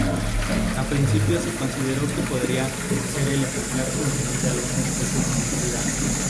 Al principio se consideró que podría ser el ejemplar juvenil de alguna especie conocida.